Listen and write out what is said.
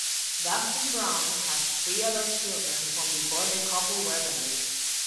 Gaston Browne has three other children from before the couple were married.